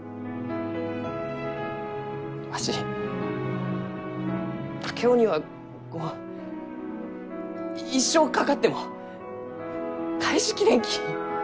わし竹雄にはこう一生かかっても返し切れんき。